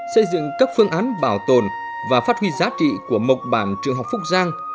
xây dựng các phương án bảo tồn và phát huy giá trị của mộc bản trường học phúc giang